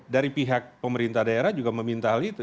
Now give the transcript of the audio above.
dari pihak pemerintah daerah juga meminta hal itu